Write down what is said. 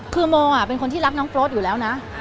คือโมเป็นคนที่รักน้องโปรดอยู่แล้วนะ